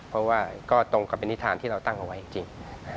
เพราะว่าก็ตรงกับเป็นนิษฐานที่เราตั้งเอาไว้จริง